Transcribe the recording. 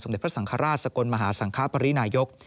เด็จพระสังฆราชสกลมหาสังคปรินายก